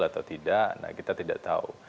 atau tidak nah kita tidak tahu